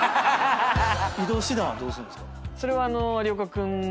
移動手段はどうするんですか？